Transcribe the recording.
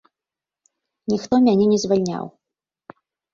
Ніхто мяне не звальняў.